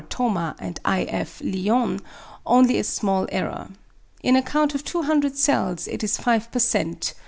Thoma and I. F. Lyon, only a small error. In a count of 200 cells it is five per cent.